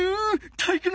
体育ノ